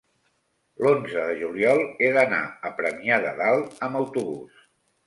l'onze de juliol he d'anar a Premià de Dalt amb autobús.